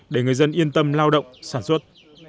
để người dân yên tâm lao động sản xuất